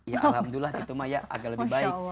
ya alhamdulillah gitu mah ya agak lebih baik